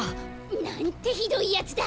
なんてひどいやつだ。